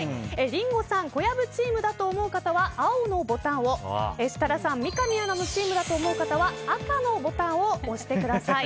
リンゴさん、小籔チームだと思う方は青のボタンを設楽さん、三上アナのチームだと思う方は赤のボタンを押してください。